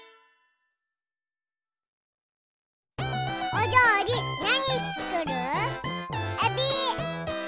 おりょうりなにつくる？えび。